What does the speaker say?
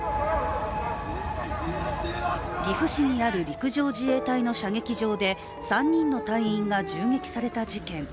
岐阜市にある陸上自衛隊の射撃場で３人の隊員が銃撃された事件。